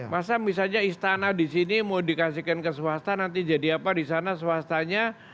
masa misalnya istana di sini mau dikasihkan ke swasta nanti jadi apa di sana swastanya